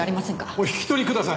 お引き取りください。